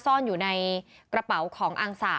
ซ่อนอยู่ในกระเป๋าของอังสะ